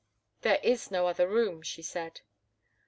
"There is no other room," she said.